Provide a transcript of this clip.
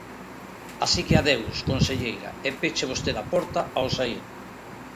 Así que adeus, conselleira, e peche vostede a porta ao saír.